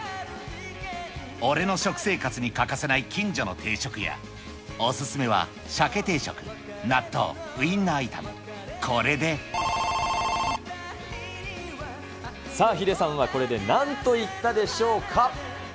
俺の食生活に欠かせない近所の定食屋、お勧めはシャケ定食、納豆、ウインナー炒め、これで×さあ、ヒデさんはこれでなんと言ったでしょうか。